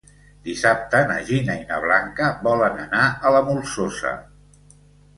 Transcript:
Dissabte na Gina i na Blanca volen anar a la Molsosa.